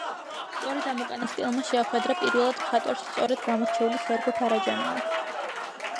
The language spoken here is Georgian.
სწორედ ამ უკანასკნელმა შეახვედრა პირველად მხატვარს სწორედ გამორჩეული სერგო ფარაჯანოვი.